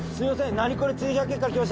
『ナニコレ珍百景』から来ました